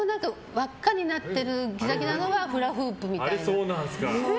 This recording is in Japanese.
輪っかになってるギザギザのはフラフープみたいな。